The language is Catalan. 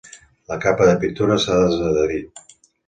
La capa de pintura s'ha desadherit.